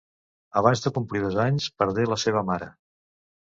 Abans de complir dos anys perdé la seva mare.